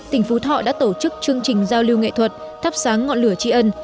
tỉnh phú thọ đã tổ chức chương trình giao lưu nghệ thuật thắp sáng ngọn lửa tri ân